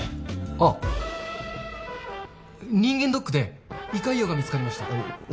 あッ人間ドックで胃潰瘍が見つかりました